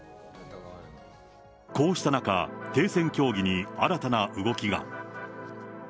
こうした中、停戦協議に新たな動きが。